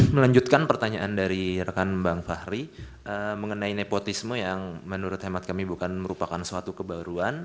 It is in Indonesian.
melanjutkan pertanyaan dari rekan bang fahri mengenai nepotisme yang menurut hemat kami bukan merupakan suatu kebaruan